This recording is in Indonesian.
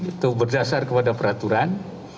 untuk mengikuti atau berdasar kepada peraturan